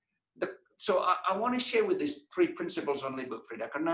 jadi saya ingin berbagi dengan tiga prinsip tentang libet frieda karena